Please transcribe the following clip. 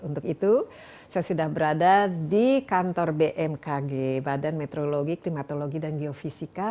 untuk itu saya sudah berada di kantor bmkg badan meteorologi klimatologi dan geofisika